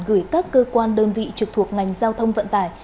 gửi các cơ quan đơn vị trực thuộc ngành giao thông vận tải